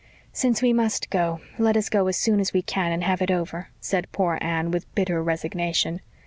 "Since we must go let us go as soon as we can and have it over," said poor Anne with bitter resignation.